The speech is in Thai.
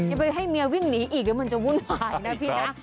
ยังไม่ให้เมียวิ่งหนีอีกจะวุ่นวายนะพี่นะ